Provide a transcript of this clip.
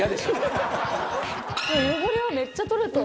汚れはめっちゃ取れた！